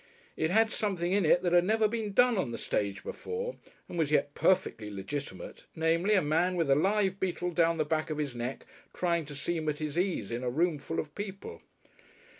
It had something in it that had never been done on the stage before, and was yet perfectly legitimate, namely, a man with a live beetle down the back of his neck trying to seem at his ease in a roomful of people....